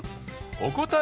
お答え